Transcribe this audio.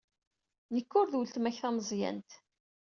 Nekk ur d weltma-k tameẓyant.